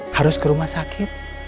harus ke rumah sakit